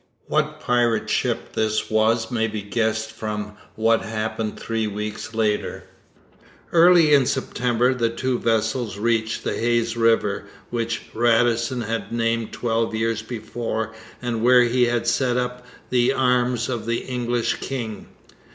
What pirate ship this was may be guessed from what happened three weeks later. Early in September the two vessels reached the Hayes river, which Radisson had named twelve years before and where he had set up the arms of the English king.